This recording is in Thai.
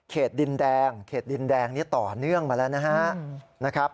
ดินแดงเขตดินแดงนี้ต่อเนื่องมาแล้วนะครับ